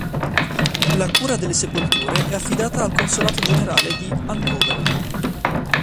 La cura delle sepolture è affidata al Consolato Generale di Hannover.